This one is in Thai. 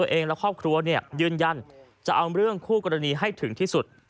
เองและครอบครัวยืนยันจะเอาเรื่องคู่กรณีให้ถึงที่สุด